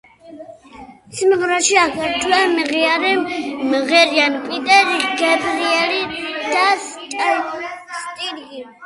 სიმღერაში აგრეთვე მღერიან პიტერ გებრიელი და სტინგი.